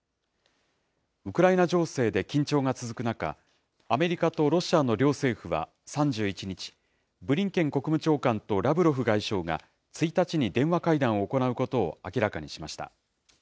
ウクライナ情勢で緊張が続く中、アメリカとロシアの両政府は３１日、ブリンケン国務長官とラブロフ外相が、１日に電話会談を行うことを明らかにしました。